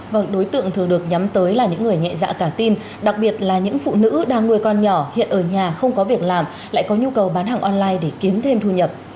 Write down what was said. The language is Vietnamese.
vâng đối tượng thường được nhắm tới là những người nhẹ dạ cả tin đặc biệt là những phụ nữ đang nuôi con nhỏ hiện ở nhà không có việc làm lại có nhu cầu bán hàng online để kiếm thêm thu nhập